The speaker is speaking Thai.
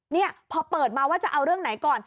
นี่พอเปิดมาว่าจะเอาเรื่องไหนก่อน